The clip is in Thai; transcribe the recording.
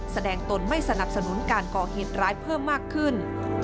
ตนไม่สนับสนุนการก่อเหตุร้ายเพิ่มมากขึ้น